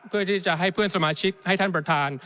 เพื่อที่จะให้เพื่อนสมาชิกให้ท่านประธาน